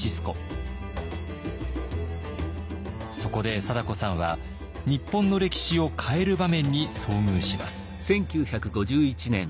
そこで貞子さんは日本の歴史を変える場面に遭遇します。